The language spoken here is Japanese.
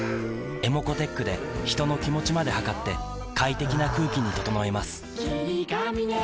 ｅｍｏｃｏーｔｅｃｈで人の気持ちまで測って快適な空気に整えます